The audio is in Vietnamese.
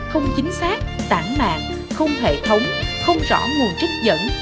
không chính xác tảng mạng không hệ thống không rõ nguồn trích dẫn